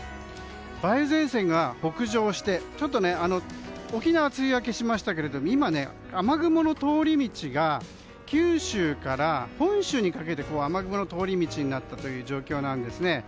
梅雨前線が北上して沖縄は梅雨明けしましたけれど今、九州から本州にかけて雨雲の通り道になったという状況です。